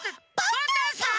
パンタンさん！